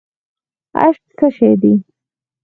اشک څه شی دی؟